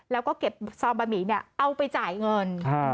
แล้วก็เก็บซองบะหมี่เนี่ยเอาไปจ่ายเงิน